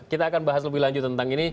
kita akan bahas lebih lanjut tentang ini